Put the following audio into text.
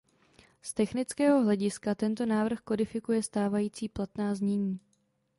Z technického hlediska tento návrh kodifikuje stávající platná znění.